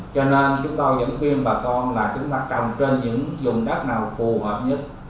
cho nên chúng tôi vẫn khuyên bà con là chúng ta trồng trên những dùng đất nào phù hợp nhất